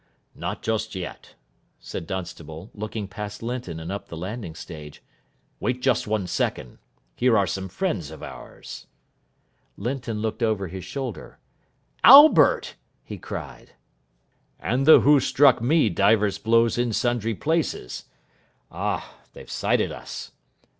"Not just yet," said Dunstable, looking past Linton and up the landing stage. "Wait just one second. Here are some friends of ours." Linton looked over his shoulder. "Albert!" he cried. "And the who struck me divers blows in sundry places. Ah, they've sighted us."